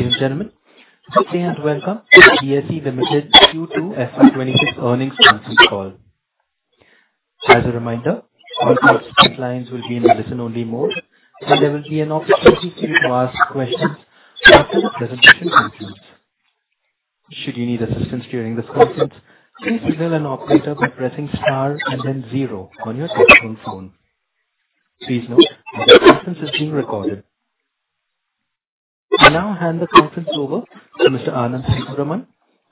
Ladies and gentlemen, good day, and welcome to BSE Limited Q2 FY 2026 earnings conference call. As a reminder, all participant lines will be in a listen-only mode, and there will be an opportunity for you to ask questions after the presentation concludes. Should you need assistance during this conference, please dial an operator by pressing star and then zero on your telephone phone. Please note that the conference is being recorded. I'll now hand the conference over to Mr. Anand Sethuraman,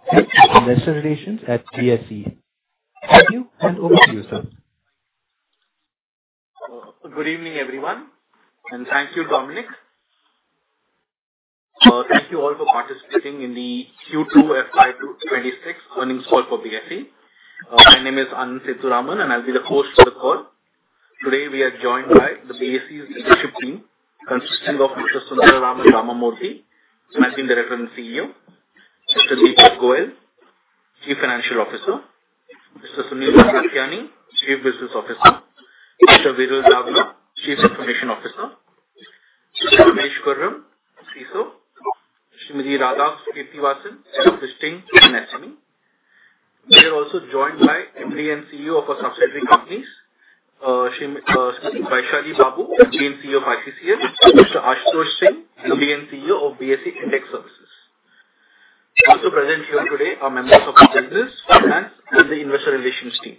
Head of Investor Relations at BSE. Thank you, and over to you, sir. Good evening, everyone, and thank you, Dominic. Thank you all for participating in the Q2 FY 2026 earnings call for BSE. My name is Anand Sethuraman, and I'll be the host for the call. Today, we are joined by the BSE's leadership team, consisting of Mr. Sundararaman Ramamurthy, Managing Director and CEO, Mr. Deepak Goel, Chief Financial Officer, Mr. Sunil Ramrakhiani, Chief Business Officer, Mr. Viral Dalal, Chief Information Officer, Mr. Ramesh Gurram, CISO, Srimati Radha Kirthivasan, Chief Listing and SME. We are also joined by MD & CEO of our subsidiary companies, Vaishali Babu, MD & CEO of ICCL, Mr. Ashutosh Singh, MD & CEO of BSE Index Services. Also present here today are members of our business and the investor relations team.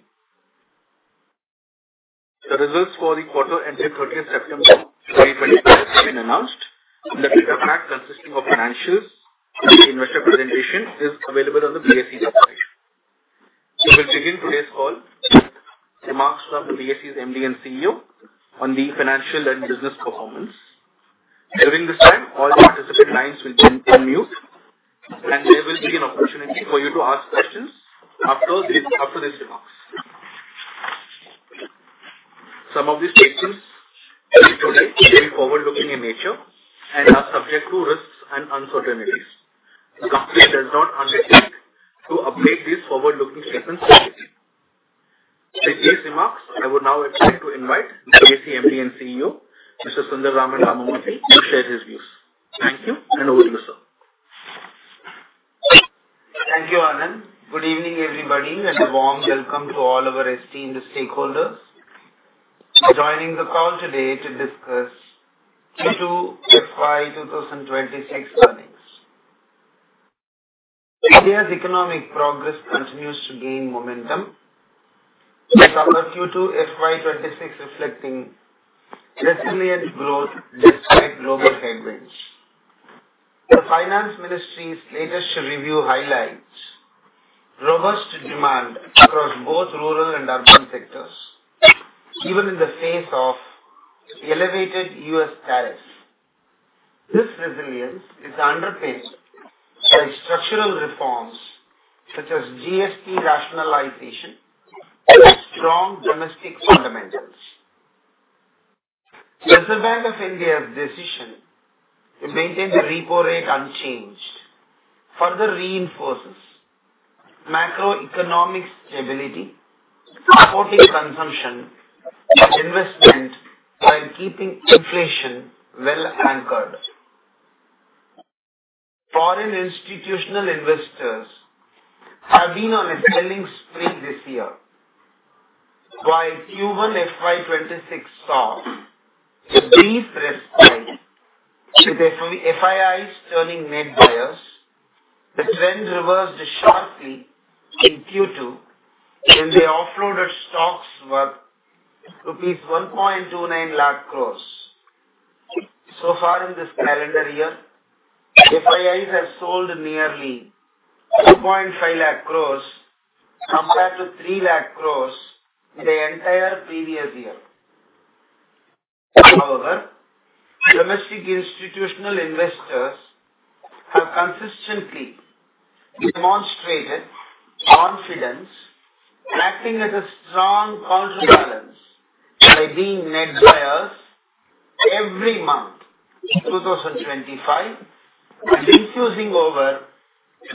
The results for the quarter ending 30 September 2025 have been announced, and the deck consisting of financials and investor presentation is available on the BSE website. We will begin today's call with remarks from the BSE's MD & CEO on the financial and business performance. During this time, all participant lines will be on mute, and there will be an opportunity for you to ask questions after the, after these remarks. Some of these statements today may be forward-looking in nature and are subject to risks and uncertainties. The company does not undertake to update these forward-looking statements. With these remarks, I would now like to invite the BSE MD & CEO, Mr. Sundararaman Ramamurthy, to share his views. Thank you, and over to you, sir. Thank you, Anand. Good evening, everybody, and a warm welcome to all of our esteemed stakeholders joining the call today to discuss Q2 FY 2026 earnings. India's economic progress continues to gain momentum, with our Q2 FY 2026 reflecting resilient growth despite global headwinds. The Finance Ministry's latest review highlights robust demand across both rural and urban sectors, even in the face of elevated U.S. tariffs. This resilience is underpinned by structural reforms such as GST rationalization and strong domestic fundamentals. The Reserve Bank of India's decision to maintain the repo rate unchanged further reinforces macroeconomic stability, supporting consumption and investment while keeping inflation well anchored. Foreign institutional investors have been on a selling spree this year. While Q1 FY 2026 saw a brief respite with FIIs turning net buyers, the trend reversed sharply in Q2, when they offloaded stocks worth rupees 129,000 crore. So far in this calendar year, FIIs have sold nearly 250,000 crore, compared to 300,000 crore in the entire previous year. However, domestic institutional investors have consistently demonstrated confidence, acting as a strong counterbalance by being net buyers every month in 2025 and infusing over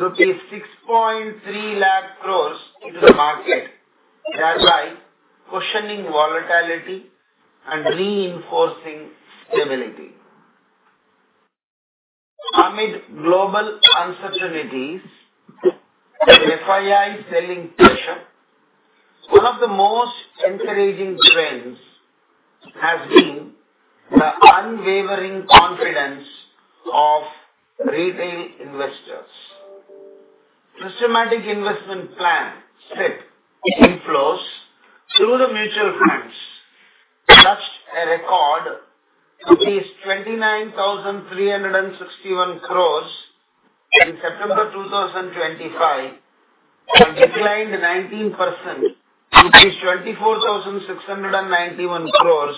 rupees 630,000 crore into the market, thereby cushioning volatility and reinforcing stability. Amid global uncertainties and FII selling pressure, one of the most encouraging trends has been the unwavering confidence of retail investors. The Systematic Investment Plan, SIP, inflows through the mutual funds touched a record 29,361 crore in September 2025 and declined 19% to 24,691 crore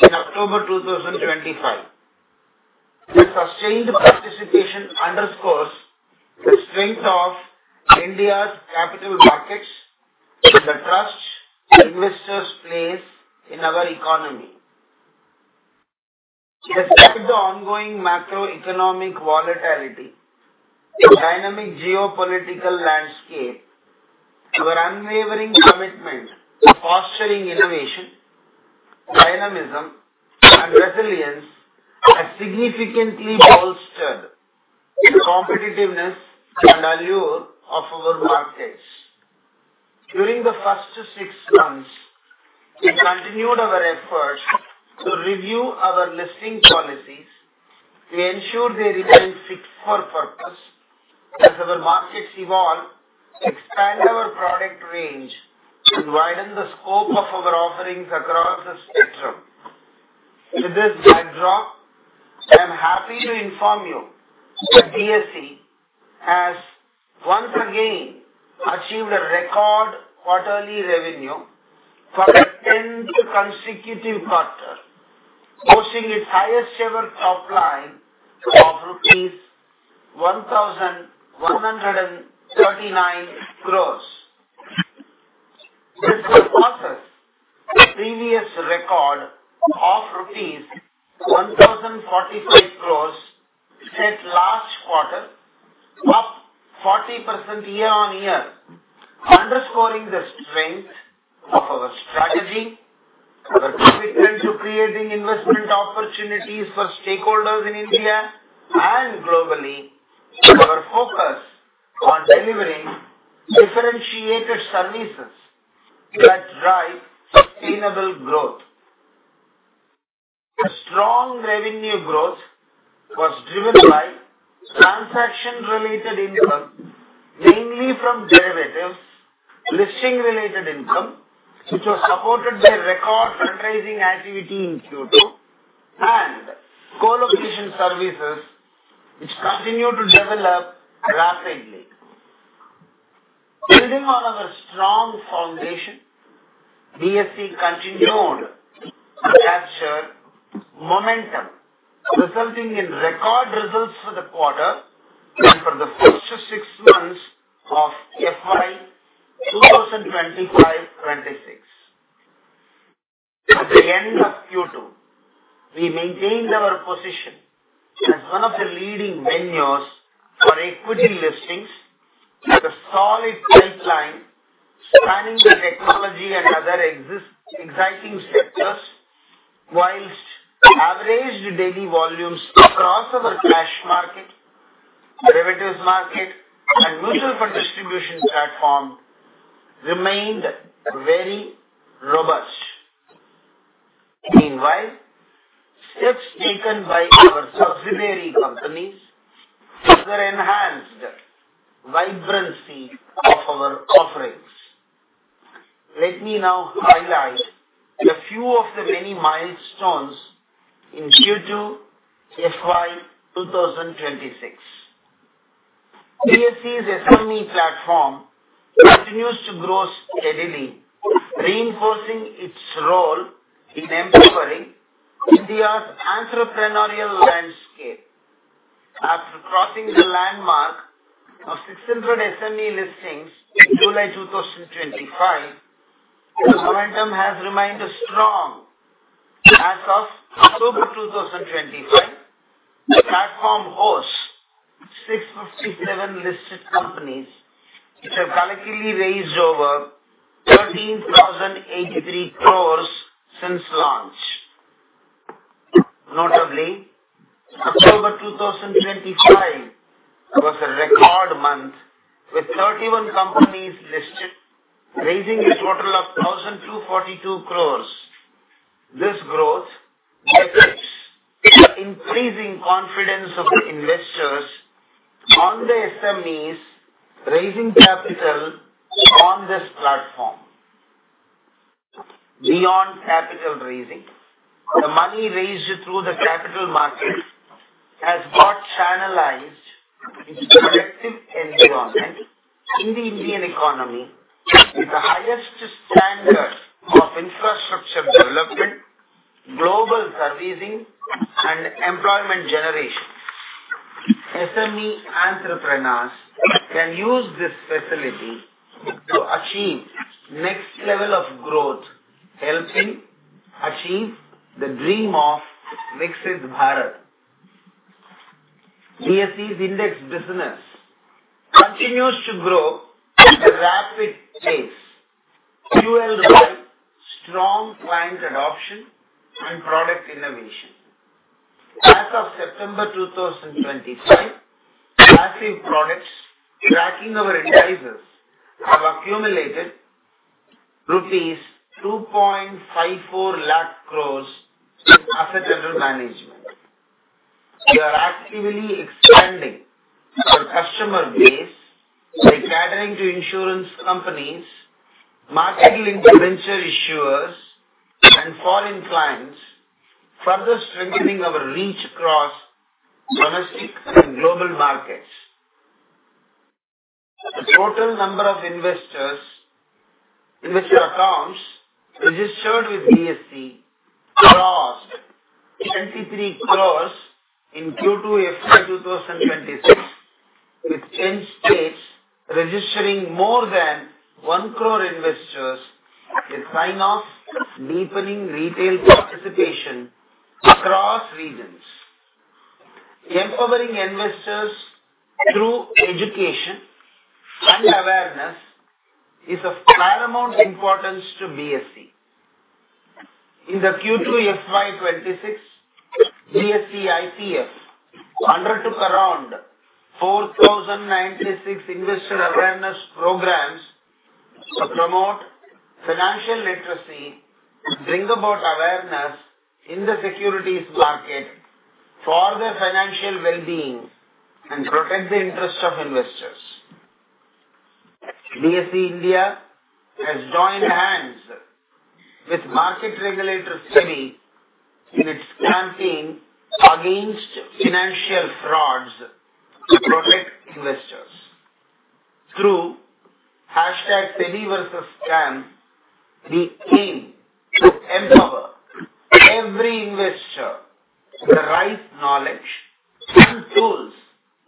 in October 2025. This sustained participation underscores the strength of India's capital markets and the trust investors place in our economy. Despite the ongoing macroeconomic volatility and dynamic geopolitical landscape, your unwavering commitment to fostering innovation, dynamism and resilience has significantly bolstered the competitiveness and allure of our markets. During the first six months, we continued our efforts to review our listing policies to ensure they remain fit for purpose as our markets evolve, expand our product range, and widen the scope of our offerings across the spectrum. With this backdrop, I am happy to inform you that BSE has once again achieved a record quarterly revenue for the tenth consecutive quarter, posting its highest ever top line of rupees 1,139 crore. This surpasses the previous record of rupees 1,045 crore set last quarter, up 40% year-on-year, underscoring the strength of our strategy, our commitment to creating investment opportunities for stakeholders in India and globally, and our focus on delivering differentiated services that drive sustainable growth. The strong revenue growth was driven by transaction-related income, mainly from derivatives, listing-related income, which was supported by record fundraising activity in Q2, and co-location services, which continue to develop rapidly. Building on our strong foundation, BSE continued to capture momentum, resulting in record results for the quarter and for the first six months of FY 2025-2026. At the end of Q2, we maintained our position as one of the leading venues for equity listings, with a solid pipeline spanning the technology and other exciting sectors, while averaged daily volumes across our cash market, derivatives market, and mutual fund distribution platform remained very robust. Meanwhile, steps taken by our subsidiary companies further enhanced the vibrancy of our offerings. Let me now highlight a few of the many milestones in Q2 FY 2026. BSE SME Platform continues to grow steadily, reinforcing its role in empowering India's entrepreneurial landscape. After crossing the landmark of 600 SME listings in July 2025, momentum has remained strong. As of October 2025, the platform hosts 657 listed companies which have collectively raised over 13,083 crore since launch. Notably, October 2025 was a record month, with 31 companies listed, raising a total of 1,242 crore. This growth reflects the increasing confidence of investors on the SMEs raising capital on this platform. Beyond capital raising, the money raised through the capital markets has got channelized into productive environment in the Indian economy, with the highest standards of infrastructure development, global servicing, and employment generation. SME entrepreneurs can use this facility to achieve next level of growth, helping achieve the dream of Viksit Bharat. BSE's index business continues to grow at a rapid pace, fueled by strong client adoption and product innovation. As of September 2025, active products tracking our indices have accumulated rupees 2.54 lakh crore in asset under management. We are actively expanding our customer base by catering to insurance companies, marketing influencer issuers, and foreign clients, further strengthening our reach across domestic and global markets. The total number of investors in which accounts registered with BSE crossed 23 crore in Q2 FY 2026, with 10 states registering more than one crore investors, a sign of deepening retail participation across regions. Empowering investors through education and awareness is of paramount importance to BSE. In the Q2 FY 2026, BSE IPF undertook around 4,096 investor awareness programs to promote financial literacy, bring about awareness in the securities market for their financial well-being, and protect the interest of investors. BSE India has joined hands with market regulator SEBI in its campaign against financial frauds to protect investors. Through hashtag SEBI versus Scam, we aim to empower every investor with the right knowledge and tools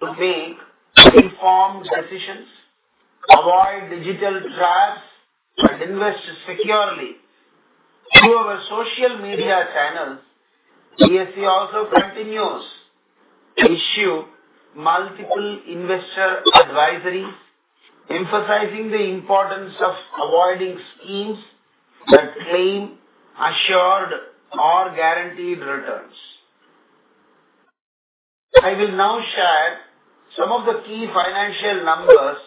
to make informed decisions, avoid digital traps, and invest securely. Through our social media channels, BSE also continues to issue multiple investor advisories, emphasizing the importance of avoiding schemes that claim assured or guaranteed returns. I will now share some of the key financial numbers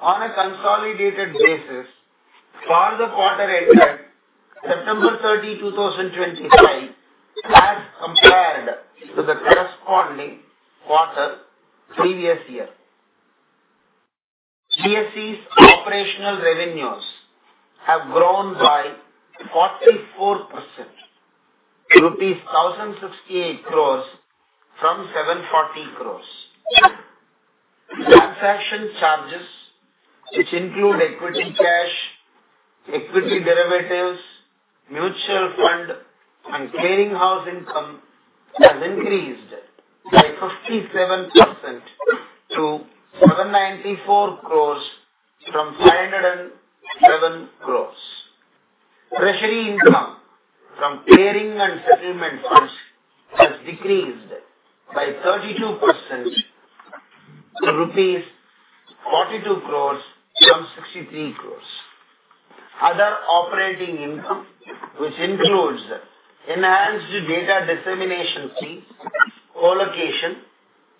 on a consolidated basis for the quarter ended September 30, 2025, as compared to the corresponding quarter previous year. BSE's operational revenues have grown by 44%, rupees 1,068 crore from 740 crore. Transaction charges, which include equity, cash, equity derivatives, mutual fund, and clearing house income, has increased by 57% to 794 crore from 507 crore. Treasury income from clearing and settlement funds has decreased by 32% to rupees 42 crore from 63 crore. Other operating income, which includes enhanced data dissemination fees, colocation,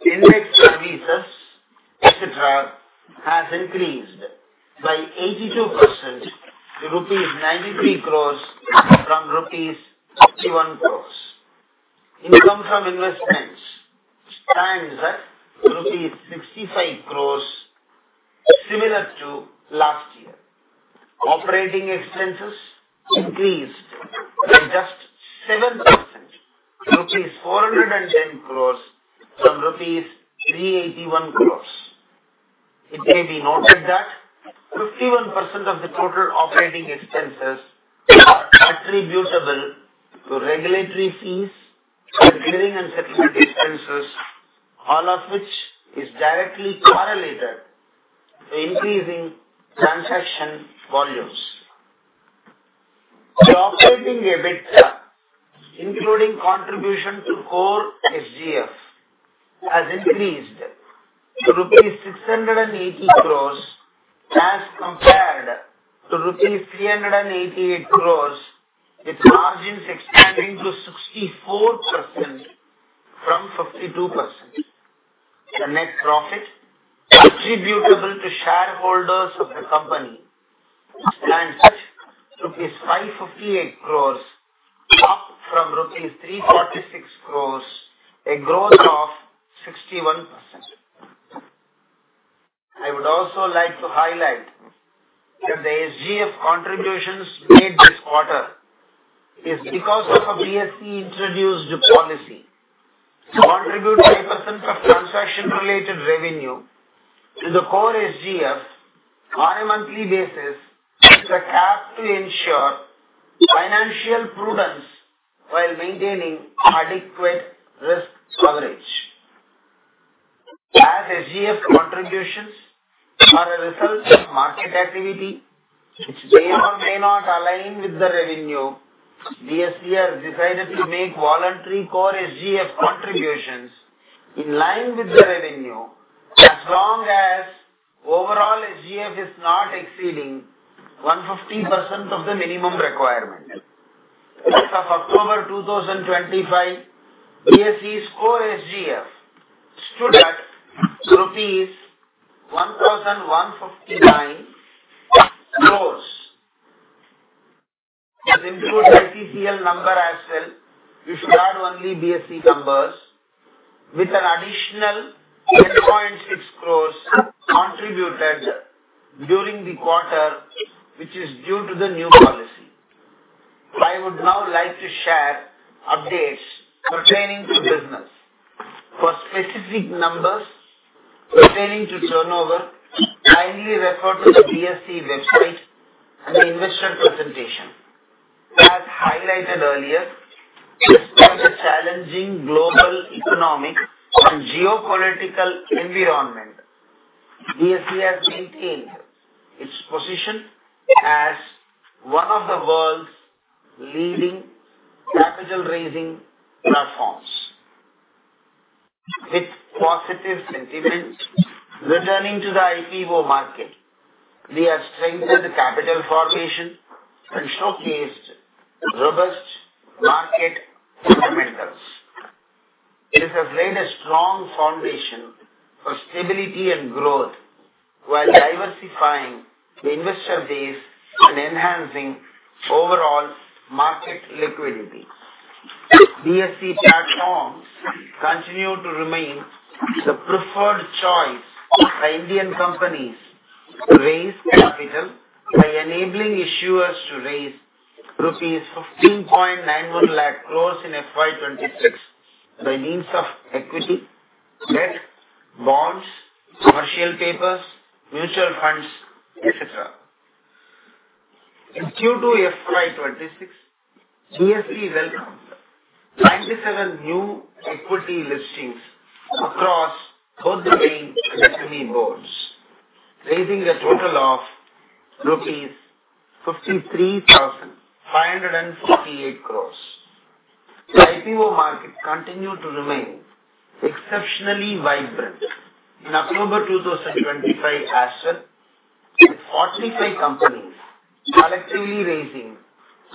index services, etc., has increased by 82% to rupees 93 crore from rupees 51 crore. Income from investments stands at rupees 65 crore, similar to last year. Operating expenses increased by just 7%, rupees 410 crore from rupees 381 crore. It may be noted that 51% of the total operating expenses are attributable to regulatory fees and clearing and settlement expenses, all of which is directly correlated to increasing transaction volumes. The operating EBITDA, including contribution to core SGF, has increased to rupees 680 crore as compared to rupees 388 crore, with margins expanding to 64% from 52%. The net profit attributable to shareholders of the company stands at rupees 558 crore, up from rupees 346 crore, a growth of 61%. I would also like to highlight that the HGF contributions made this quarter is because of a BSE-introduced policy to contribute 8% of transaction-related revenue to the Core SGF on a monthly basis, with a cap to ensure financial prudence while maintaining adequate risk coverage. As HGF contributions are a result of market activity which may or may not align with the revenue, BSE has decided to make voluntary Core SGF contributions in line with the revenue, as long as overall HGF is not exceeding 150% of the minimum requirement. As of October 2025, BSE's Core SGF stood at INR 1,159 crores. This includes ICCL numbers as well. You should add only BSE numbers with an additional 10.6 crores contributed during the quarter, which is due to the new policy. I would now like to share updates pertaining to business. For specific numbers pertaining to turnover, kindly refer to the BSE website and the investor presentation. As highlighted earlier, despite the challenging global economic and geopolitical environment, BSE has maintained its position one of the world's leading capital raising platforms. With positive sentiment returning to the IPO market, we have strengthened capital formation and showcased robust market fundamentals. It has laid a strong foundation for stability and growth while diversifying the investor base and enhancing overall market liquidity. BSE platforms continue to remain the preferred choice for Indian companies to raise capital by enabling issuers to raise rupees 1,591,000 crore in FY 2026, by means of equity, debt, bonds, commercial papers, mutual funds, et cetera. In Q2 FY 2026, BSE welcomed 97 new equity listings across both the main and semi boards, raising a total of rupees 53,548 crore. The IPO market continued to remain exceptionally vibrant in October 2025 as well, with 45 companies collectively raising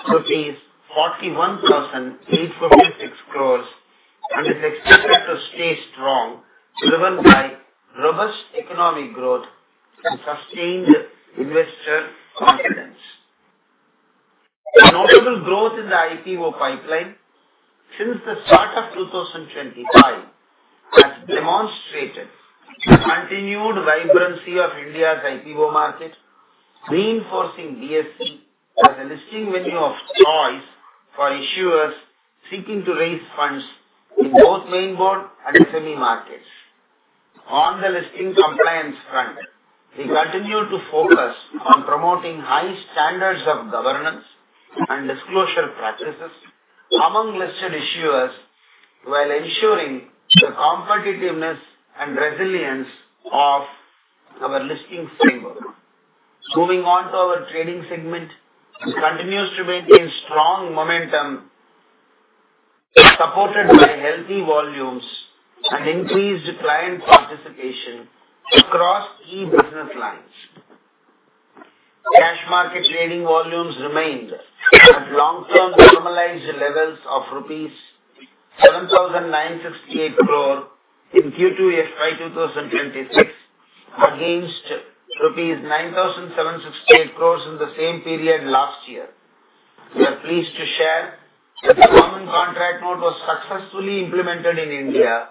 41,846 crore and is expected to stay strong, driven by robust economic growth and sustained investor confidence. Notable growth in the IPO pipeline since the start of 2025 has demonstrated the continued vibrancy of India's IPO market, reinforcing BSE as a listing venue of choice for issuers seeking to raise funds in both main board and SME markets. On the listing compliance front, we continue to focus on promoting high standards of governance and disclosure practices among listed issuers, while ensuring the competitiveness and resilience of our listing framework. Moving on to our trading segment, it continues to maintain strong momentum, supported by healthy volumes and increased client participation across key business lines. Cash market trading volumes remained at long-term normalized levels of rupees 7,968 crore in Q2 FY 2026, against rupees 9,768 crore in the same period last year. We are pleased to share that the common contract note was successfully implemented in India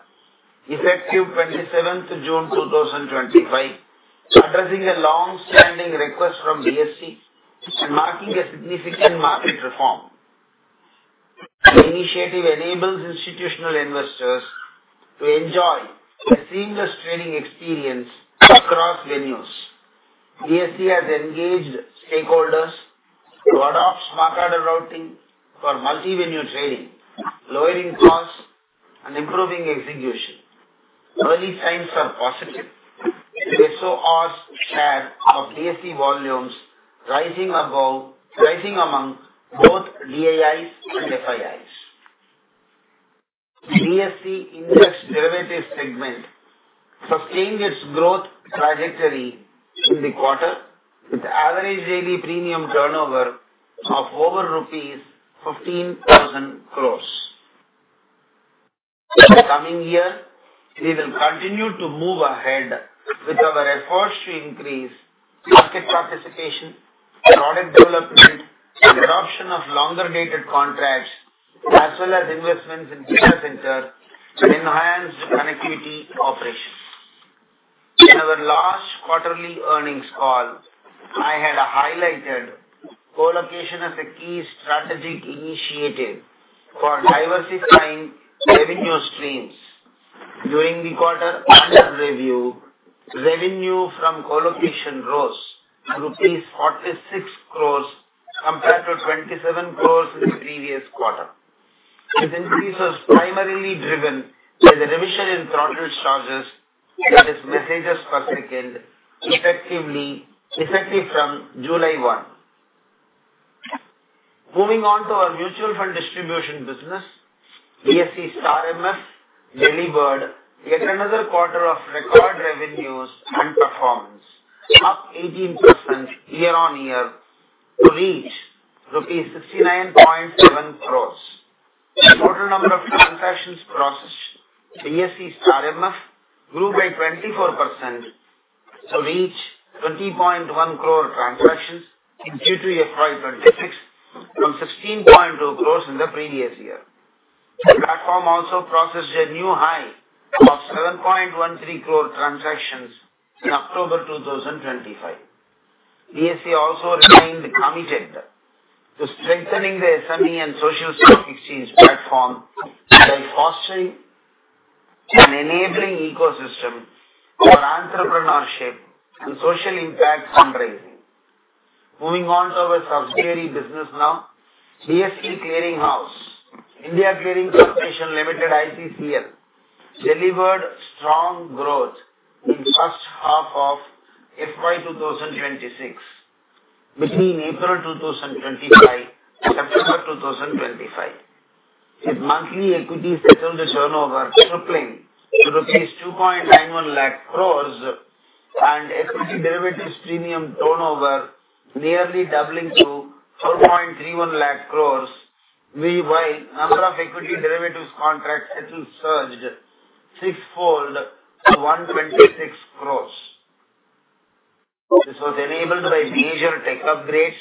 effective 27th June 2025, addressing a long-standing request from BSE and marking a significant market reform. The initiative enables institutional investors to enjoy a seamless trading experience across venues. BSE has engaged stakeholders to adopt smart order routing for multi-venue trading, lowering costs and improving execution. Early signs are positive, with SOR's share of BSE volumes rising among both DII and FIIs. BSE index derivative segment sustained its growth trajectory in the quarter, with average daily premium turnover of over INR 15,000 crore. Coming year, we will continue to move ahead with our efforts to increase market participation, product development, and adoption of longer-dated contracts, as well as investments in data center and enhanced connectivity operations. In our last quarterly earnings call, I had highlighted Co-location as a key strategic initiative for diversifying revenue streams. During the quarter under review, revenue from Co-location rose to rupees 46 crores compared to 27 crores in the previous quarter. This increase was primarily driven by the revision in Throttle Charges, that is messages per second, effectively, effective from July 1. Moving on to our mutual fund distribution business, BSE StAR MF delivered yet another quarter of record revenues and performance, up 18% year-on-year to reach rupees 69.7 crores. Total number of transactions processed in BSE StAR MF grew by 24% to reach 20.1 crore transactions in Q2 FY2026, from 16.2 crores in the previous year. The platform also processed a new high of 7.13 crore transactions in October 2025. BSE also remained committed to strengthening the SME and social stock exchange platform by fostering an enabling ecosystem for entrepreneurship and social impact fundraising. Moving on to our subsidiary business now, BSE Clearing House, Indian Clearing Corporation Limited, ICCL, delivered strong growth in first half of FY 2026, between April 2025, September 2025. Its monthly equity settlement turnover tripling to rupees 291,000 crore, and equity derivatives premium turnover nearly doubling to 431,000 crore. Meanwhile, number of equity derivatives contracts settled surged sixfold to 126 crore. This was enabled by major tech upgrades,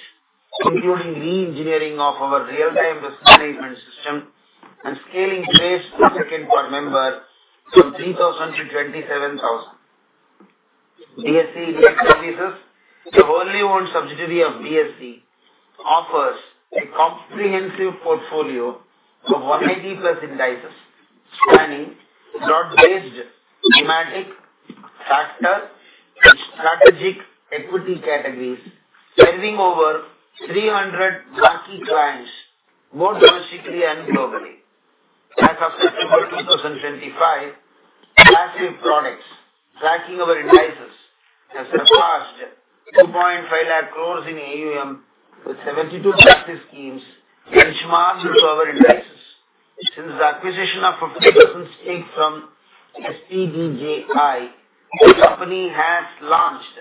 including reengineering of our real-time risk management system and scaling trades per second per member from 3,000 to 27,000. BSE Index Services, a wholly-owned subsidiary of BSE, offers a comprehensive portfolio of 180+ indices, spanning broad-based, thematic, factor, and strategic equity categories, serving over 300 unique clients, both domestically and globally. As of September 2025, passive products tracking our indices has surpassed INR 250,000 crore in AUM, with 72 passive schemes and smart beta indices. Since the acquisition of 50% stake from SPDJI, the company has launched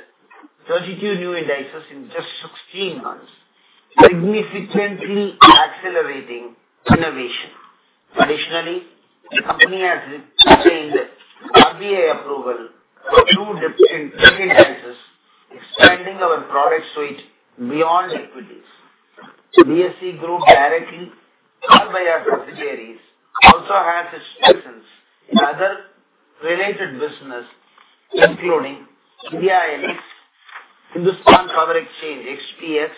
32 new indices in just 16 months, significantly accelerating innovation. Additionally, the company has obtained RBI approval for two different indices, expanding our product suite beyond equities. BSE Group, directly or by our subsidiaries, also has its presence in other related business, including India INX, Hindustan Power Exchange, HPX,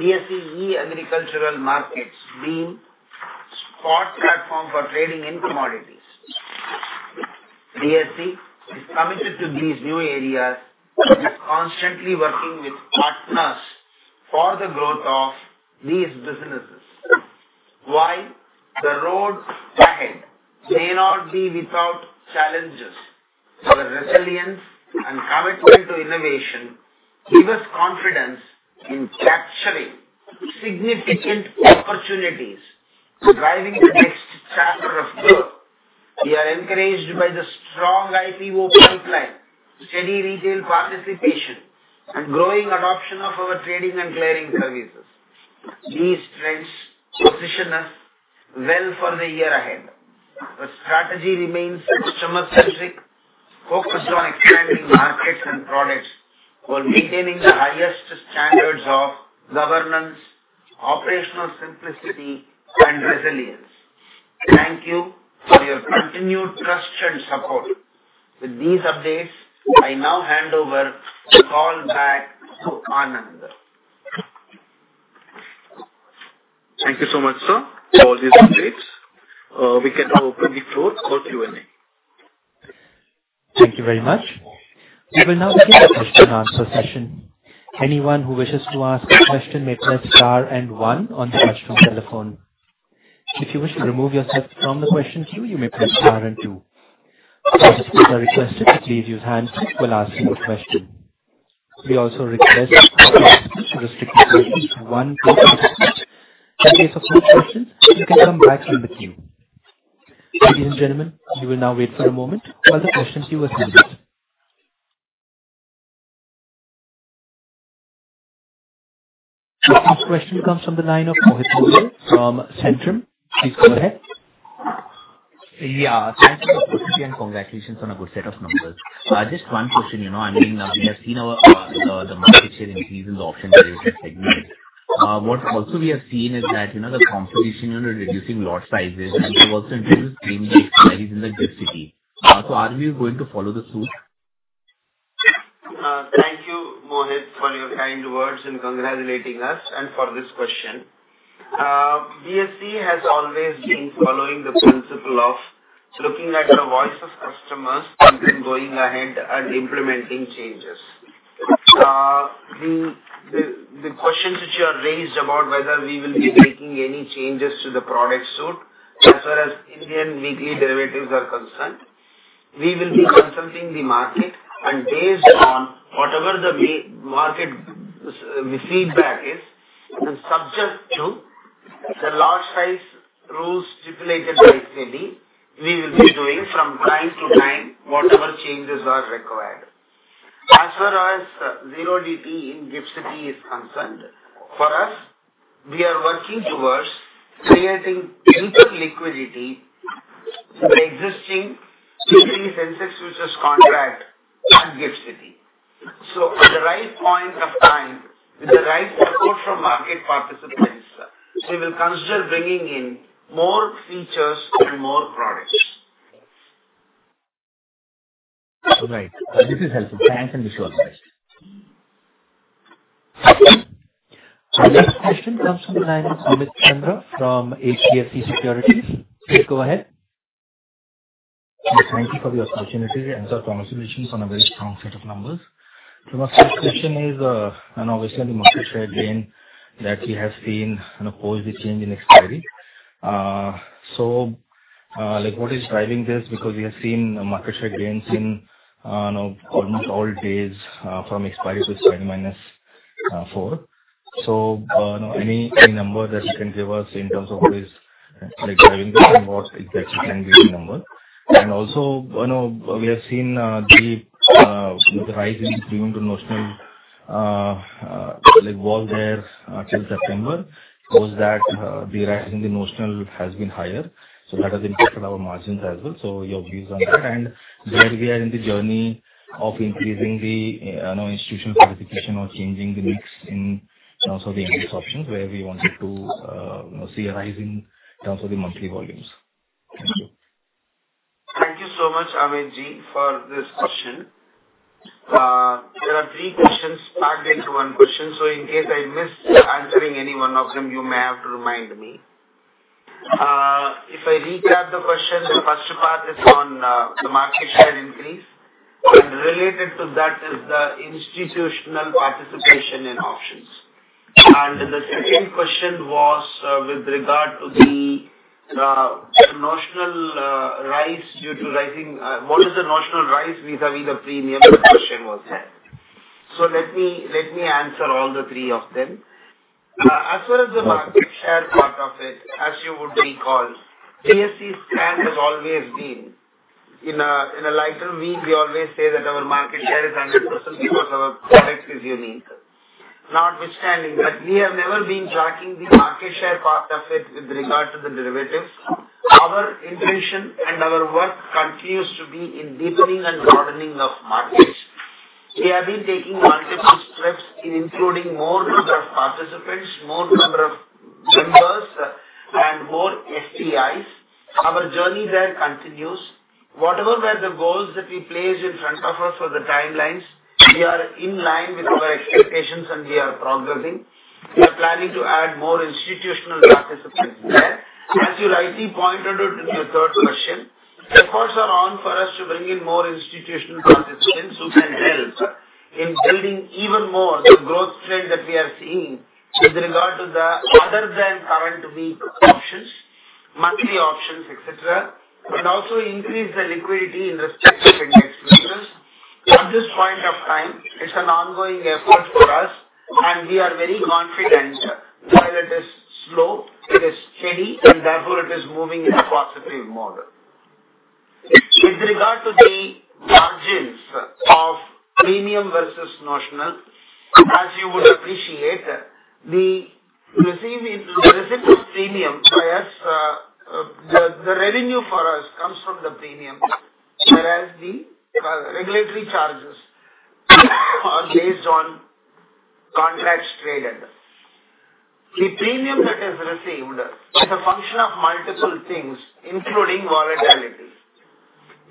BSE E-Agricultural Markets, BEAM, spot platform for trading in commodities. BSE is committed to these new areas and is constantly working with partners for the growth of these businesses. While the road ahead may not be without challenges, our resilience and commitment to innovation give us confidence in capturing significant opportunities, driving the next chapter of growth. We are encouraged by the strong IPO pipeline, steady retail participation, and growing adoption of our trading and clearing services. These trends position us well for the year ahead. Our strategy remains customer-centric, focused on expanding markets and products, while maintaining the highest standards of governance, operational simplicity, and resilience. Thank you for your continued trust and support. With these updates, I now hand over the call back to Anand. Thank you so much, sir, for all these updates. We can now open the floor for Q&A. Thank you very much. We will now begin the question and answer session. Anyone who wishes to ask a question may press star and one on the touchtone telephone. If you wish to remove yourself from the question queue, you may press star and two. Participants are requested to please use handset while asking a question. We also request participants to restrict the questions to one per participant. In case of more questions, you can come back in the queue. Ladies and gentlemen, we will now wait for a moment while the questions queue is handled. The first question comes from the line of Mohit Sethi from Centrum. Please go ahead. Yeah, thanks for the opportunity and congratulations on a good set of numbers. So just one question, you know, I mean, we have seen our the market share increase in the option derivatives segment. What also we have seen is that, you know, the competition, you know, reducing lot sizes and we've also introduced premium expiries in the GIFT City. So are we going to follow the suit? Thank you, Mohit, for your kind words in congratulating us and for this question. BSE has always been following the principle of looking at the voice of customers and then going ahead and implementing changes. The questions which you have raised about whether we will be making any changes to the product suite as far as Indian weekly derivatives are concerned, we will be consulting the market, and based on whatever the market, the feedback is, and subject to the lot size rules stipulated by SEBI, we will be doing from time to time, whatever changes are required. As far as 0DTE in GIFT City is concerned, for us, we are working towards creating better liquidity in the existing SENSEX, which is contract and GIFT City. At the right point of time, with the right support from market participants, we will consider bringing in more features and more products. Right. This is helpful. Thanks, and wish you all the best. The next question comes from the line of Amit Chandra from HDFC Securities. Please go ahead. Thank you for the opportunity, and sir, congratulations on a very strong set of numbers.... So my first question is, and obviously the market share gain that we have seen in the post, the change in expiry. So, like, what is driving this? Because we have seen market share gains in, you know, almost all days, from expiry to 10 minus four. So, any number that you can give us in terms of what is, like, driving this and what exactly can be the number? And also, you know, we have seen the rise in premium to notional, like, was there till September. Was that the rise in the notional has been higher, so that has impacted our margins as well. So your views on that, and where we are in the journey of increasing the, you know, institutional participation or changing the mix in terms of the index options, where we wanted to, you know, see a rise in terms of the monthly volumes. Thank you. Thank you so much, Amit, for this question. There are three questions packed into one question, so in case I miss answering any one of them, you may have to remind me. If I recap the question, the first part is on the market share increase, and related to that is the institutional participation in options. And the second question was with regard to the notional rise due to rising... What is the notional rise vis-a-vis the premium? The question was that. So let me answer all the three of them. As far as the market share part of it, as you would recall, BSE's stand has always been in a lighter vein, we always say that our market share is 100% because our product is unique. Notwithstanding that, we have never been tracking the market share part of it with regard to the derivatives. Our intention and our work continues to be in deepening and broadening of markets. We have been taking multiple steps in including more number of participants, more number of members, and more STIs. Our journey there continues. Whatever were the goals that we placed in front of us or the timelines, we are in line with our expectations and we are progressing. We are planning to add more institutional participants there. As you rightly pointed out in your third question, efforts are on for us to bring in more institutional participants who can help in building even more the growth trend that we are seeing with regard to the other than current week options, monthly options, et cetera, and also increase the liquidity in respective index. At this point of time, it's an ongoing effort for us, and we are very confident. While it is slow, it is steady, and therefore it is moving in a positive model. With regard to the margins of premium versus notional, as you would appreciate, the receiving, the receipt of premium by us, the revenue for us comes from the premium, whereas the regulatory charges are based on contracts traded. The premium that is received is a function of multiple things, including volatility.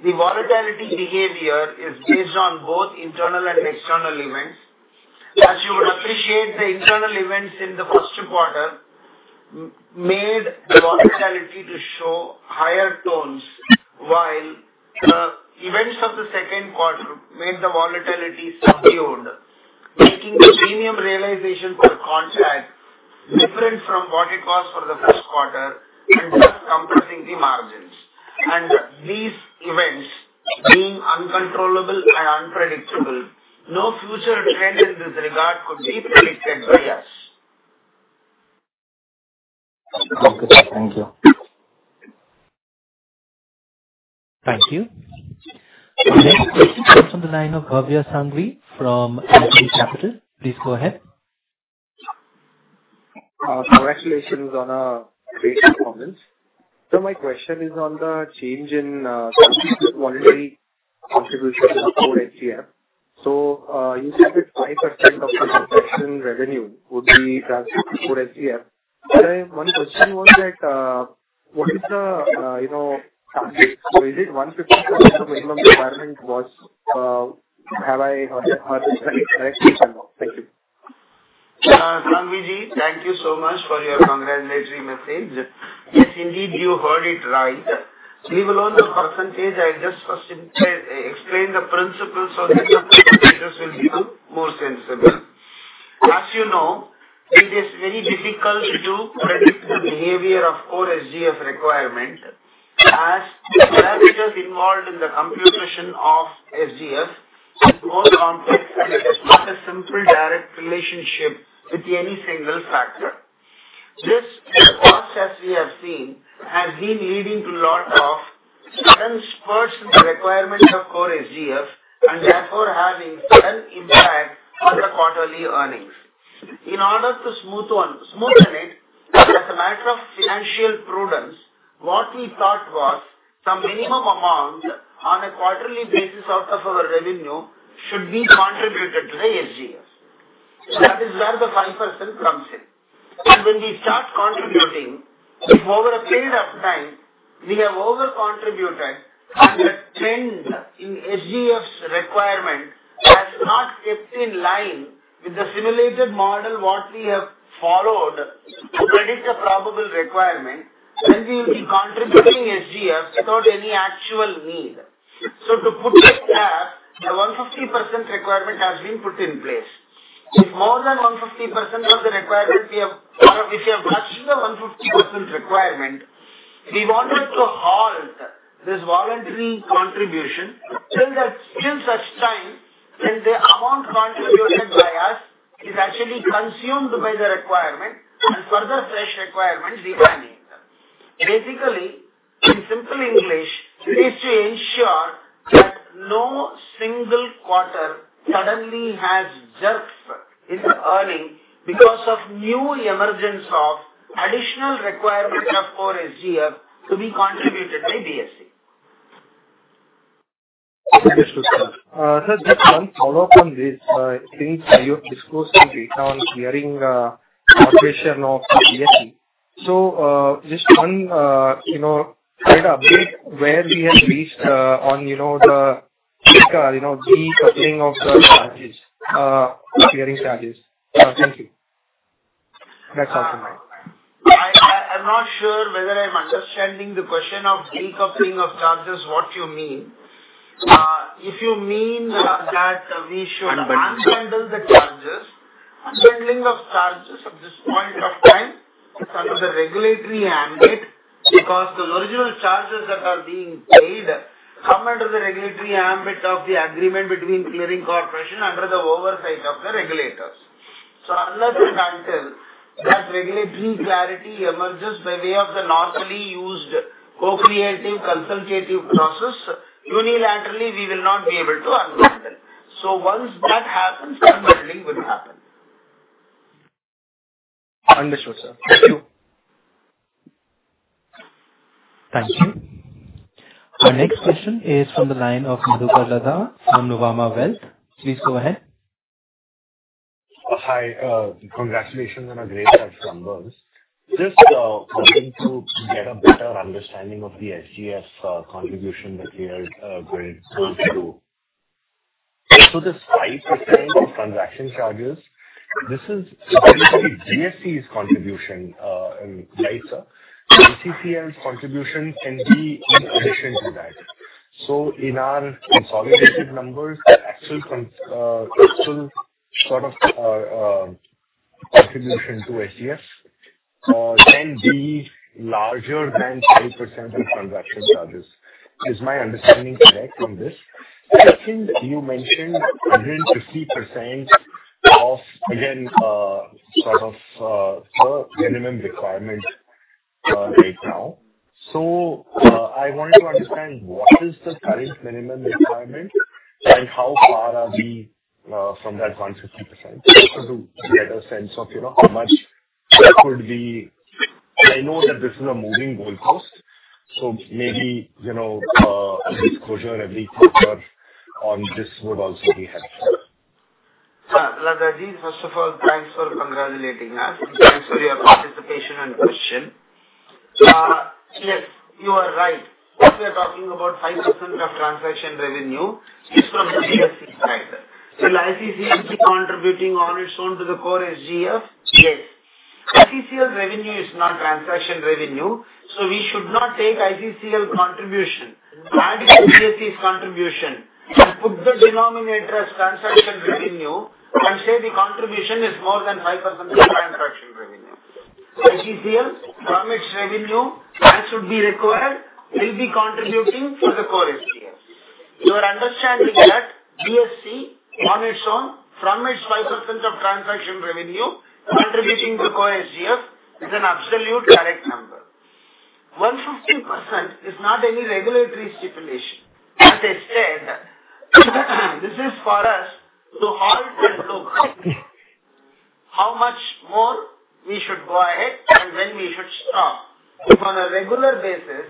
The volatility behavior is based on both internal and external events. As you would appreciate, the internal events in the first quarter made the volatility to show higher tones, while events of the second quarter made the volatility subdued, making the premium realization per contract different from what it was for the first quarter and thus compressing the margins. These events, being uncontrollable and unpredictable, no future trend in this regard could be predicted by us. Okay, thank you. Thank you. The next question comes from the line of Bhavya Sanghi from AT Capital. Please go ahead. Congratulations on a great performance. So my question is on the change in monetary contribution for SGF. So, you said that 5% of the transaction revenue would be transferred to core SGF. I have one question was that, what is the, you know, target? So is it 1% the minimum requirement was, have I heard it correctly or no? Thank you. Sanghi ji, thank you so much for your congratulatory message. Yes, indeed, you heard it right. Leave alone the percentage, I'll just first explain the principles, so the percentages will become more sensible. As you know, it is very difficult to predict the behavior of core SGF requirement, as the variables involved in the computation of SGF is more complex, and it is not a simple, direct relationship with any single factor. This, of course, as we have seen, has been leading to lot of sudden spurts in the requirement of core SGF, and therefore having sudden impact on the quarterly earnings. In order to smoothen it, as a matter of financial prudence, what we thought was some minimum amount on a quarterly basis out of our revenue should be contributed to the SGF. So that is where the 5% comes in. When we start contributing, if over a period of time we have over-contributed and the trend in SGF's requirement has not kept in line with the simulated model, what we have followed to predict the probable requirement, will we be contributing SGF without any actual need? So to put it there, a 150% requirement has been put in place. If more than 150% of the requirement we have, or if we have touched the 150% requirement, we wanted to halt this voluntary contribution till the, till such time when the amount contributed by us is actually consumed by the requirement and further fresh requirement we can make. Basically, in simple English, it is to ensure that no single quarter suddenly has jerks in the earnings because of new emergence of additional requirement of core SGF to be contributed by BSE. Understood, sir. Sir, just one follow up on this. Since you have disclosed the data on clearing operation of BSE. So, just one, you know, kind of update where we have reached, on, you know, the, you know, decoupling of the charges, clearing charges. Thank you. That's all from my end. I'm not sure whether I'm understanding the question of decoupling of charges, what you mean. If you mean that we should- Unbundle the charges, unbundling of charges at this point of time, under the regulatory ambit, because the original charges that are being paid come under the regulatory ambit of the agreement between Clearing Corporation under the oversight of the regulators. So unless and until that regulatory clarity emerges by way of the normally used co-creative consultative process, unilaterally, we will not be able to unbundle. So once that happens, unbundling will happen. Understood, sir. Thank you. Thank you. Our next question is from the line of Madhukar Ladha from Nuvama Wealth. Please go ahead. Hi, congratulations on a great set of numbers. Just wanting to get a better understanding of the SGF contribution that we are going through. So the 5% of transaction charges, this is basically GSC's contribution in rights, sir. ICCL's contribution can be in addition to that. So in our consolidated numbers, the actual sort of contribution to SGF can be larger than 5% of transaction charges. Is my understanding correct on this? Second, you mentioned 150% of, again, sort of per minimum requirement right now. So I wanted to understand what is the current minimum requirement and how far are we from that 150%? Just to get a sense of, you know, how much could we... I know that this is a moving goalpost, so maybe, you know, a disclosure and every quarter on this would also be helpful. Ladha Ji, first of all, thanks for congratulating us. Thanks for your participation and question. Yes, you are right. If we are talking about 5% of transaction revenue, it's from the BSE side. Will ICCL be contributing on its own to the core SGF? Yes. ICCL revenue is not transaction revenue, so we should not take ICCL contribution, add BSE's contribution, and put the denominator as transaction revenue and say the contribution is more than 5% of transaction revenue. ICCL, from its revenue, as should be required, will be contributing to the core SGF. Your understanding that BSE, on its own, from its 5% of transaction revenue, contributing to core SGF is an absolute correct number. 150% is not any regulatory stipulation. As I said, this is for us to halt at low cost. How much more we should go ahead and when we should stop. If on a regular basis,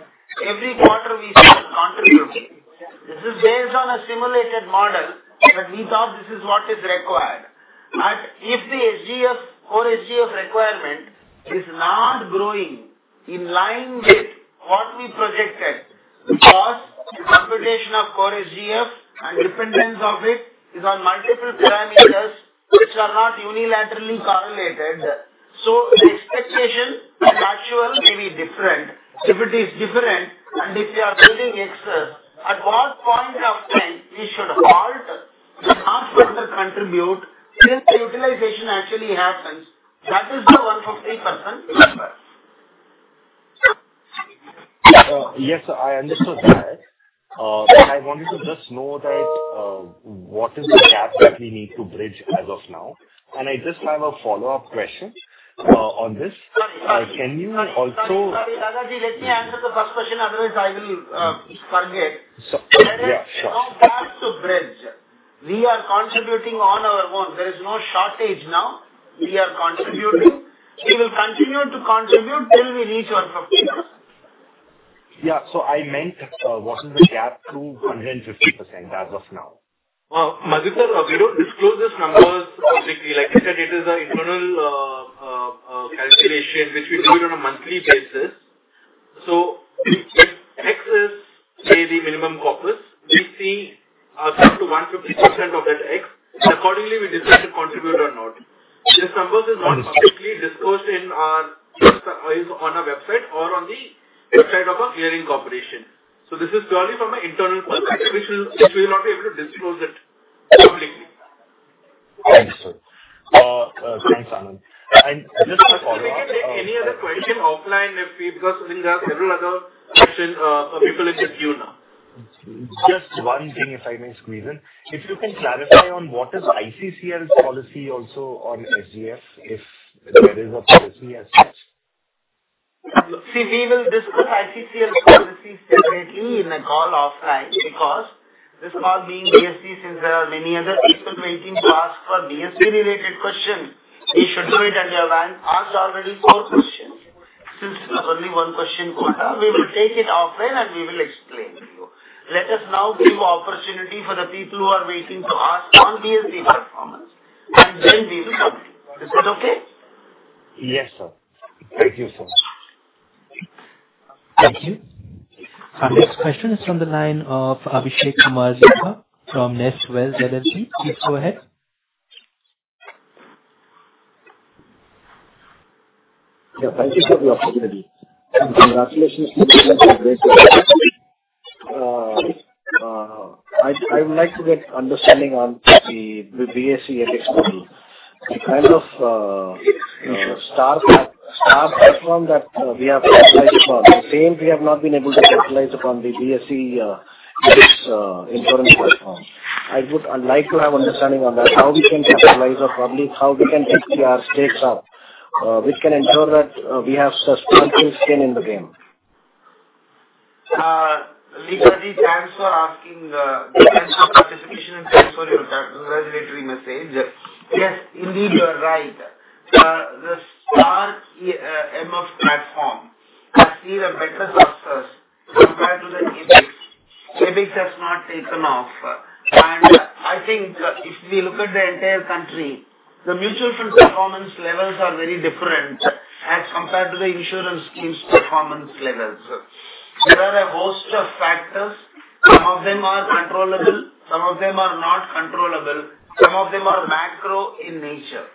every quarter we start contributing, this is based on a simulated model, that we thought this is what is required. But if the SGF, core SGF requirement is not growing in line with what we projected, because computation of core SGF and dependence of it is on multiple parameters which are not unilaterally correlated. So the expectation and actual may be different. If it is different, and if we are building excess, at what point of time we should halt and not further contribute till the utilization actually happens, that is the 150% number. Yes, I understood that. But I wanted to just know that, what is the gap that we need to bridge as of now? And I just have a follow-up question, on this. Sorry, sorry. Can you also- Sorry, Latha Ji, let me answer the first question, otherwise I will forget. Yeah, sure. There is no gap to bridge. We are contributing on our own. There is no shortage now. We are contributing. We will continue to contribute till we reach 150%. Yeah, so I meant, what is the gap to 150% as of now? Madhu Sir, we don't disclose these numbers publicly. Like I said, it is our internal calculation, which we do on a monthly basis. We see up to 1-50% of that X, and accordingly, we decide to contribute or not. These numbers is not publicly disclosed in our, is on our website or on the website of a clearing corporation. So this is purely from an internal perspective, which we will not be able to disclose publicly. Thanks, sir. Thanks, Anand. Just a follow-up- Any other question offline, if we, because there are several other people, people in the queue now. Just one thing, if I may squeeze in. If you can clarify on what is ICCL's policy also on HGF, if there is a policy as such? See, we will discuss ICCL's policies separately in a call offline because this call being BSE, since there are many other people waiting to ask for BSE-related questions, you should do it at your end. Asked already four questions. Since only one question quota, we will take it offline and we will explain to you. Let us now give opportunity for the people who are waiting to ask on BSE performance, and then we will come to you. Is that okay? Yes, sir. Thank you so much. Thank you. Our next question is from the line of Abhishek Kumar Jha from Neste Wealth LLP. Please go ahead. Yeah, thank you for the opportunity. Congratulations on a great job. I would like to get understanding on the BSE index level, the kind of star, star platform that we have capitalized upon. The same we have not been able to capitalize upon the BSE index insurance platform. I would like to have understanding on that, how we can capitalize or probably how we can keep our stakes up, which can ensure that we have sustainable skin in the game. Vijay, thanks for asking, thanks for participation and thanks for your congratulatory message. Yes, indeed, you are right. The StAR MF platform has seen a better success compared to the index. Index has not taken off, and I think if we look at the entire country, the mutual fund performance levels are very different as compared to the insurance schemes' performance levels. There are a host of factors. Some of them are controllable, some of them are not controllable, some of them are macro in nature.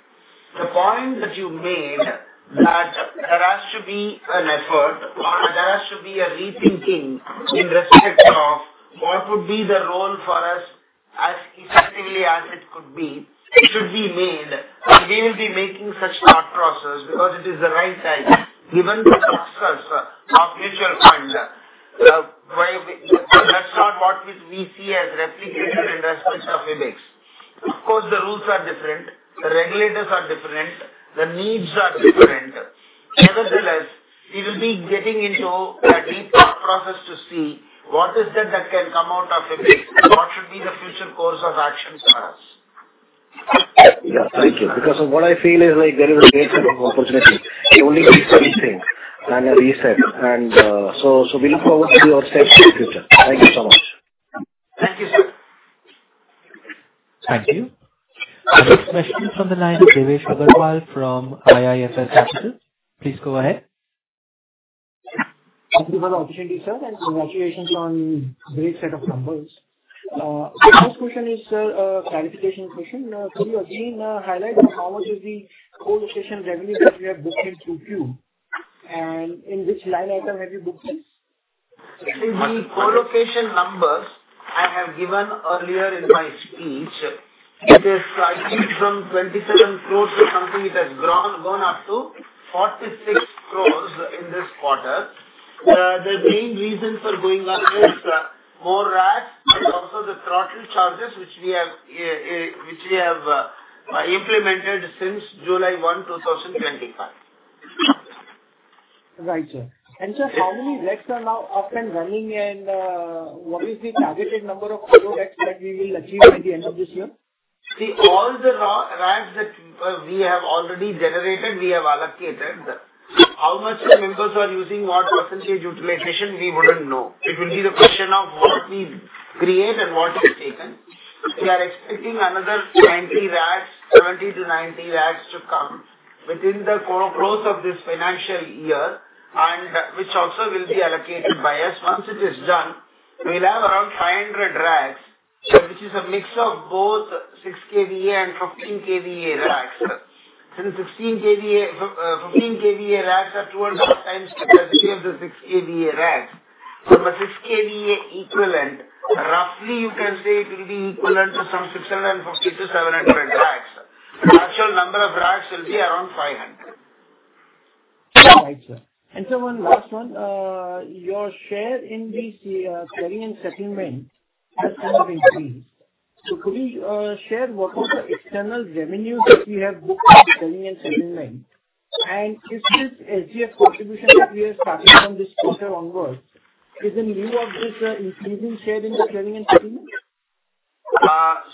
The point that you made, that there has to be an effort or there has to be a rethinking in respect of what would be the role for us as effectively as it could be, should be made. So we will be making such thought process because it is the right time, given the success of mutual funds. That's not what we see as replicated in the space of index. Of course, the rules are different, the regulators are different, the needs are different. Nevertheless, we will be getting into a deep thought process to see what is it that can come out of index and what should be the future course of action for us. Yeah, thank you. Because what I feel is like there is a great opportunity. You only need to rethink and a reset, and... So, so we look forward to your steps in the future. Thank you so much. Thank you, sir. Thank you. The next question from the line of Devesh Agarwal from IIFL Securities. Please go ahead. Thank you for the opportunity, sir, and congratulations on great set of numbers. So first question is, a clarification question. Could you again, highlight on how much is the co-location revenue that we have booked in Q2, and in which line item have you booked this? See, the Co-location numbers I have given earlier in my speech. It is, I think, from 27 crore to something that has grown, gone up to 46 crore in this quarter. The main reasons for going up is, more racks and also the Throttle Charges, which we have implemented since July 1, 2025. Right, sir. And sir, how many racks are now up and running, and what is the targeted number of co-locs that we will achieve by the end of this year? See, all the racks that we have already generated, we have allocated. How much the members are using, what percentage utilization, we wouldn't know. It will be the question of what we create and what is taken. We are expecting another 20 racks, 70-90 racks to come within the close of this financial year, and which also will be allocated by us. Once it is done, we'll have around 500 racks, which is a mix of both 6 kVA and 15 kVA racks. Since 15 kVA racks are 2.5 times the capacity of the 6 kVA racks, so the 6 kVA equivalent, roughly you can say it will be equivalent to some 650-700 racks. The actual number of racks will be around 500. Right, sir. And sir, one last one. Your share in the Clearing and Settlement has increased. So could you share what was the external revenue that we have booked in Clearing and Settlement? And is this HDF contribution that we are starting from this quarter onwards, is in lieu of this increasing share in the clearing and settlement?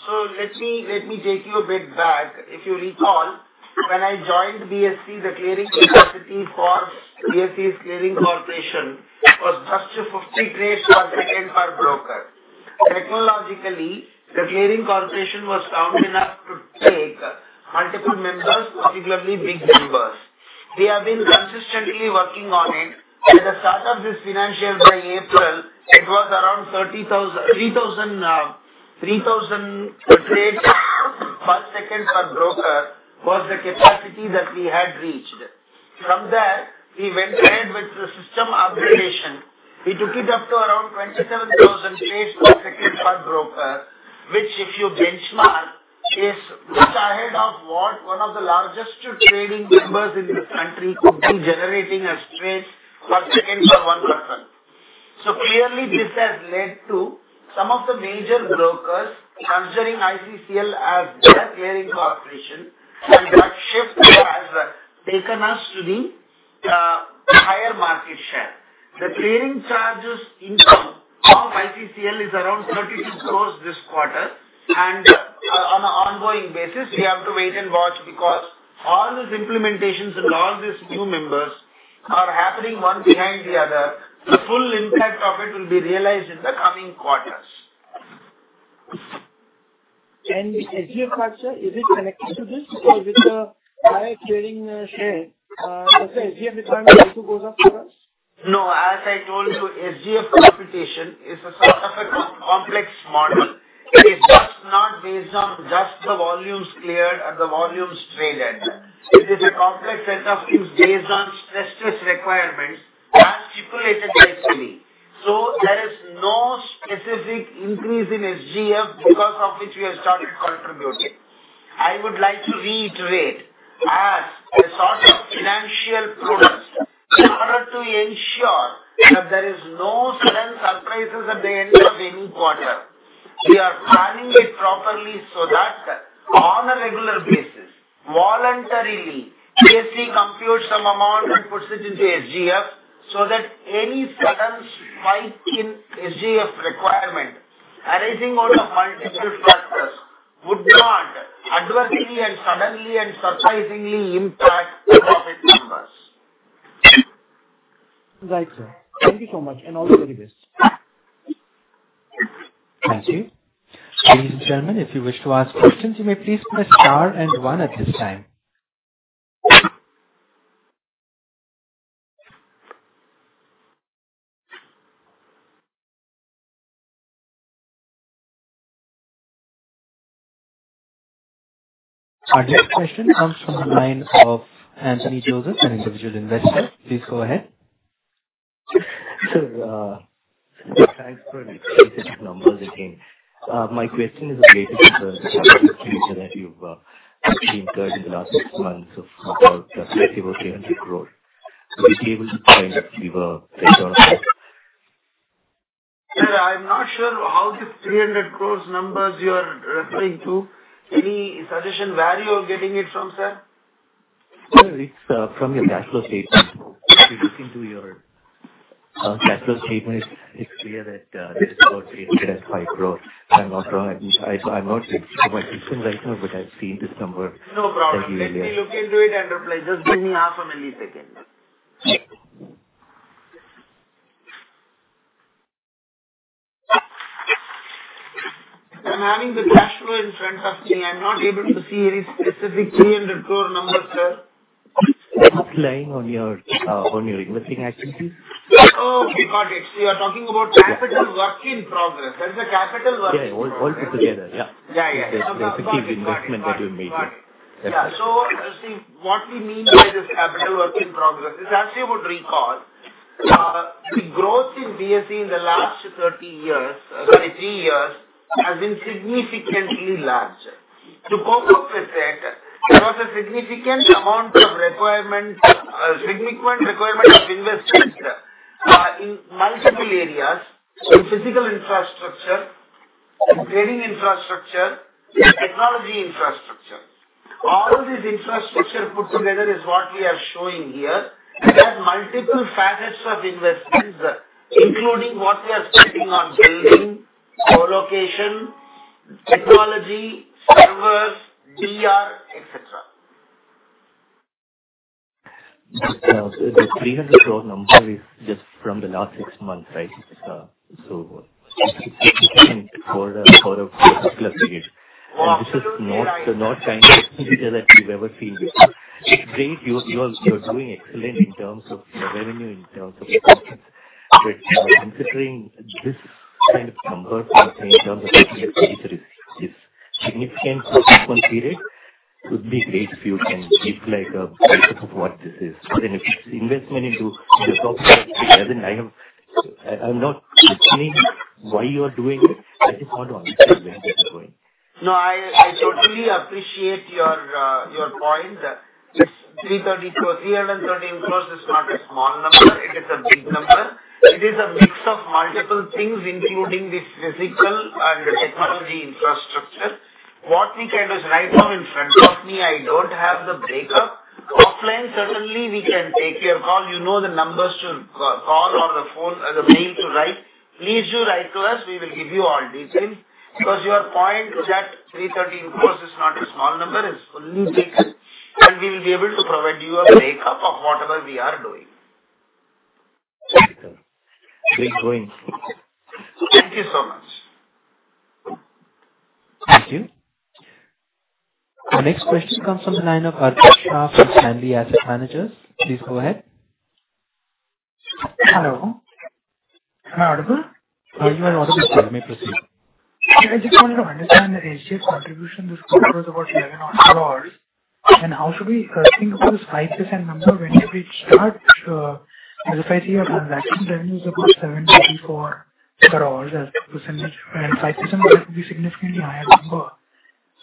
So let me, let me take you a bit back. If you recall, when I joined BSE, the clearing capacity for BSE's Clearing Corporation was just 250 trades per second per broker. Technologically, the Clearing Corporation was sound enough to take multiple members, particularly big members. We have been consistently working on it. At the start of this financial year by April, it was around 30,000-3,000, 3,000 trades per second per broker, was the capacity that we had reached. From there, we went ahead with the system upgradation. We took it up to around 27,000 trades per second per broker, which if you benchmark, is just ahead of what one of the largest trading members in the country could be generating as trades per second for one person. Clearly, this has led to some of the major brokers considering ICCL as their clearing corporation, and that shift has taken us to the higher market share. The clearing charges income of ICCL is around 32 crore this quarter, and on an ongoing basis, we have to wait and watch because all these implementations and all these new members are happening one behind the other. The full impact of it will be realized in the coming quarters. SGF structure, is it connected to this? With the high clearing share, does the SGF requirement also goes up for us? No, as I told you, SGF computation is a sort of a complex model. It is just not based on just the volumes cleared and the volumes traded. It is a complex set of rules based on stress test requirements as stipulated by SEBI. So there is no specific increase in SGF because of which we have started contributing. I would like to reiterate, as a sort of financial product, in order to ensure that there is no sudden surprises at the end of any quarter, we are planning it properly so that on a regular basis, voluntarily, BSE computes some amount and puts it into SGF, so that any sudden spike in SGF requirement arising out of multiple factors would not adversely and suddenly and surprisingly impact the profit numbers. Right, sir. Thank you so much, and all the very best. Thank you. Ladies and gentlemen, if you wish to ask questions, you may please press star and one at this time. Our next question comes from the line of Anthony Joseph, an individual investor. Please go ahead. Sir, thanks for the specific numbers again. My question is related to the structure that you've actually incurred in the last six months of about 300 crore. So will you be able to find that we were- Yeah, I'm not sure how this 300 crore numbers you are referring to? Any suggestion where you are getting it from, sir? Sir, it's from your balance sheet. If you look into your balance sheet, it's clear that it has increased as INR 5 crore. I'm not, I, I'm not sure about it right now, but I've seen this number. No problem. Let me look into it and reply. Just give me half a millisecond. I'm having the cash flow in front of me. I'm not able to see any specific INR 300 crore number, sir. Relying on your investing activities. Oh, got it. So you're talking about capital work in progress. That's a capital work- Yeah, all, all put together. Yeah. Yeah, yeah. The specific investment that you made. Got it. Yeah, so let's see. What we mean by this capital work in progress, it's actually about recall. Growth in BSE in the last 30 years, sorry, three years, has been significantly large. To cope up with that, there was a significant amount of requirement, significant requirement of investments, in multiple areas, in physical infrastructure, in trading infrastructure, in technology infrastructure. All these infrastructure put together is what we are showing here. There are multiple facets of investments, including what we are spending on building, co-location, technology, servers, DR, et cetera. The 300 crore number is just from the last six months, right? For the particular period. Oh, I see. This is not the kind of computer that you've ever seen before. It's great. You're doing excellent in terms of revenue, in terms of profit. But considering this kind of numbers in terms of significant period, it would be great if you can give like a breakup of what this is. But if it's investment into the software, then I'm not questioning why you are doing it, I just want to understand where this is going. No, I totally appreciate your point. It's 330 crore, INR 330 crore is not a small number, it is a big number. It is a mix of multiple things, including this physical and technology infrastructure. What we can do is right now in front of me, I don't have the breakup. Offline, certainly, we can take your call. You know the numbers to call or the phone or the mail to write. Please do write to us, we will give you all details, because your point that 330 crore is not a small number, it's fully big, and we'll be able to provide you a breakup of whatever we are doing. Thank you. Keep going. Thank you so much.... Thank you. The next question comes from the line of Arjun Shah from Shanda Asset Managers. Please go ahead. Hello, am I audible? You are audible, sir. You may proceed. I just wanted to understand the HDFC contribution. This quarter is about 11 or 12 crores, and how should we think about this 5% number when we start, as I see your transaction revenue is about 74 crore as a percentage, and 5% would be significantly higher number.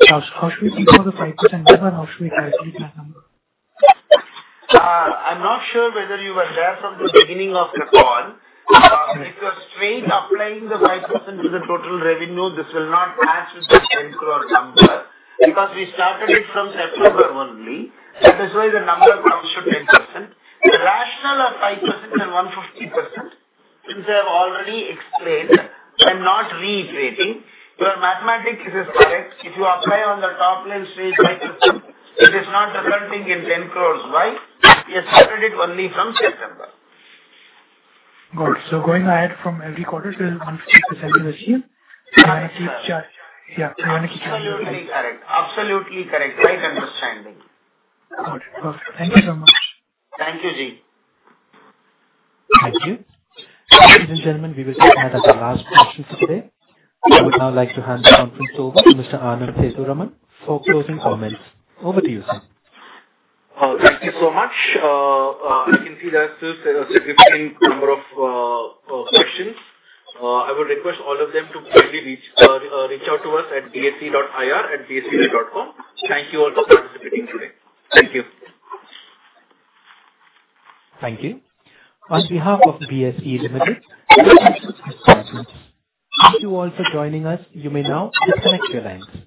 How, how should we think about the 5% number, and how should we calculate that number? I'm not sure whether you were there from the beginning of the call. If you're straight applying the 5% to the total revenue, this will not add to the 10 crore number, because we started it from September only, and that's why the number comes to 10%. The rationale of 5% and 150%, which I have already explained, I'm not reiterating. Your mathematics is correct. If you apply on the top line straight 5%, it is not converting in 10 crore. Why? We have started it only from September. Good. Going ahead from every quarter, till 150% is achieved. Absolutely correct. Absolutely correct. Right understanding. Got it. Perfect. Thank you so much. Thank you, Ji. Thank you. Ladies and gentlemen, we will stop at the last question for today. I would now like to hand the conference over to Mr. Anand Sethuraman for closing comments. Over to you, sir. Thank you so much. I can see that there are still significant number of questions. I would request all of them to kindly reach out to us at bse.ir@bse.com. Thank you all for participating today. Thank you. Thank you. On behalf of BSE Limited, thank you all for joining us. You may now disconnect your lines.